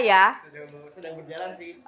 sudah berjalan sih